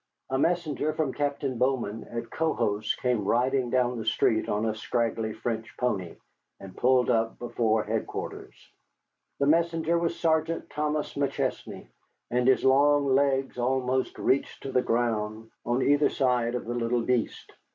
A messenger from Captain Bowman at Cohos came riding down the street on a scraggly French pony, and pulled up before headquarters. The messenger was Sergeant Thomas McChesney, and his long legs almost reached the ground on either side of the little beast.